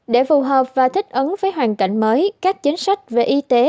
để phù hợp và thích ứng với hoàn cảnh mới các chính sách về y tế